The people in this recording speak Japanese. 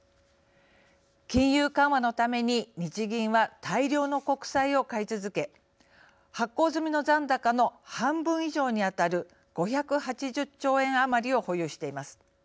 金融緩和のために、日銀は大量の国債を買い続け発行済みの残高の半分以上に当たる５８０兆円余りを保有しています。